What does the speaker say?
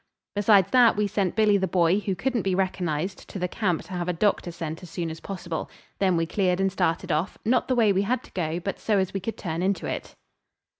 Besides that, we sent Billy the Boy, who couldn't be recognised, to the camp to have a doctor sent as soon as possible. Then we cleared and started off, not the way we had to go, but so as we could turn into it.